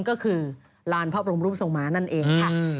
ก็คือลานพระบรมรูปทรงม้านั่นเองค่ะ